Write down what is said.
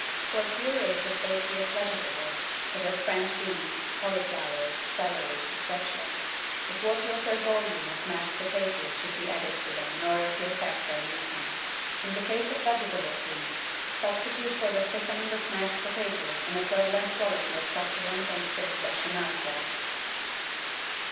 For purees of aqueous vegetables, such as French beans, cauliflowers, celery, &c., a quarter of their volume of mashed potatoes should be added to them in order to effect their leason. In the case of vegetable creams, substitute for the thickening of mashed potatoes an equivalent quantity of succulent and stiff Bechamel sauce.